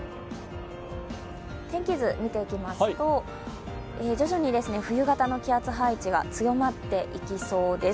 天気図見ていきますと徐々に冬型の気圧配置が強まっていきそうです。